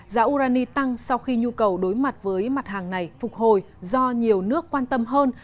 giá urani tăng sau khi nhu cầu đối mặt với mặt hàng này phục hồi do nhiều nước quan tâm hơn